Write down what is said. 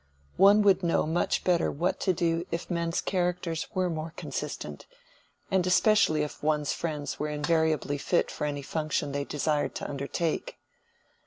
One would know much better what to do if men's characters were more consistent, and especially if one's friends were invariably fit for any function they desired to undertake!